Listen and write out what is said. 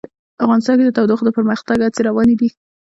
افغانستان کې د تودوخه د پرمختګ هڅې روانې دي.